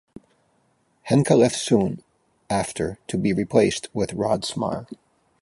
Henke left soon after to be replaced with Rod Smarr.